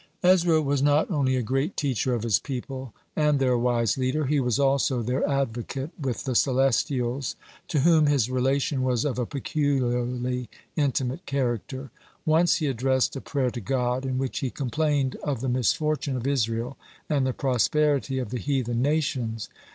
(49) Ezra was not only a great teacher of his people and their wise leader, he was also their advocate with the celestials, to whom his relation was of a peculiarly intimate character. Once he addressed a prayer to God, in which he complained of the misfortune of Israel and the prosperity of the heathen nations.